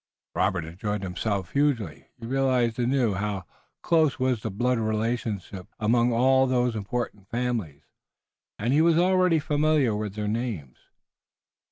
Robert enjoyed himself hugely. He realized anew how close was the blood relationship among all those important families, and he was already familiar with their names.